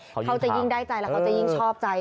เขาจะยิ่งได้ใจแล้วเขาจะยิ่งชอบใจ